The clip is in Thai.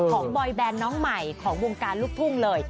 บอยแบนน้องใหม่ของวงการลูกทุ่งเลย